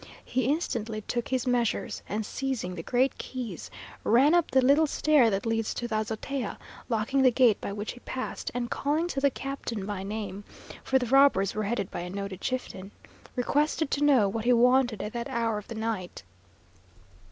He instantly took his measures, and seizing the great keys, ran up the little stair that leads to the azotea, locking the gate by which he passed, and, calling to the captain by name (for the robbers were headed by a noted chieftain), requested to know what he wanted at that hour of the night.